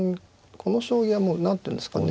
この将棋はもう何ていうんですかね